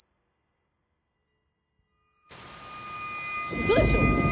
ウソでしょ？